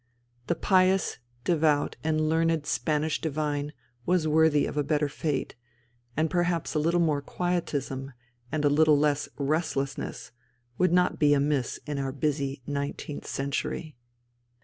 The pious, devout, and learned Spanish divine was worthy of a better fate, and perhaps a little more quietism and a little less restlessness would not be amiss in our busy nineteenth century.